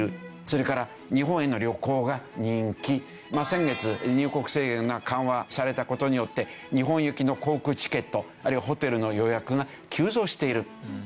先月入国制限が緩和された事によって日本行きの航空チケットあるいはホテルの予約が急増している。